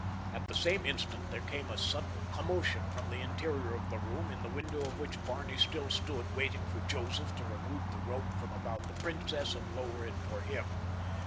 At the same instant there came a sudden commotion from the interior of the room in the window of which Barney still stood waiting for Joseph to remove the rope from about the princess and lower it for him.